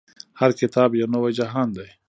هر کتاب يو نوی جهان دی.